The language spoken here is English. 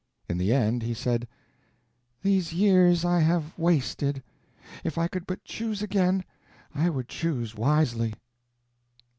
In the end he said: "These years I have wasted. If I could but choose again, I would choose wisely."